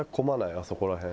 あそこら辺。